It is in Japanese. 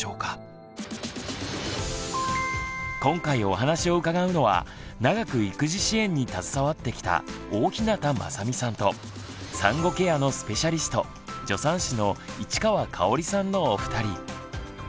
今回お話を伺うのは長く育児支援に携わってきた大日向雅美さんと産後ケアのスペシャリスト助産師の市川香織さんのお二人。